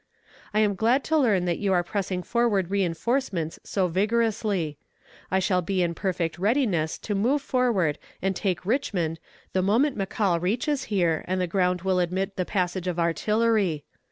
I am glad to learn that you are pressing forward reinforcements so vigorously. I shall be in perfect readiness to move forward and take Richmond the moment McCall reaches here and the ground will admit the passage of artillery.